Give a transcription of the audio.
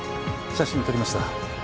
写真撮りました。